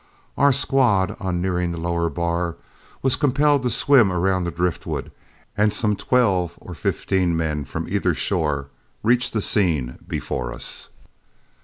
Our squad, on nearing the lower bar, was compelled to swim around the driftwood, and some twelve or fifteen men from either shore reached the scene before us.